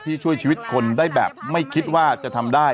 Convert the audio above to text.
ช่วยชีวิตคนได้แบบไม่คิดว่าจะทำได้